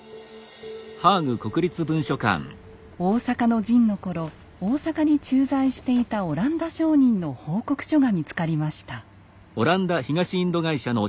大坂の陣の頃大坂に駐在していたオランダ商人の報告書が見つかりました。